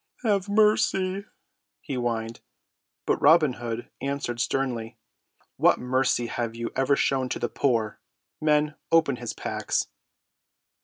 "Have mercy," he whined. But Robin Hood answered sternly. "What mercy have you ever shown to the poor? Men, open his packs!"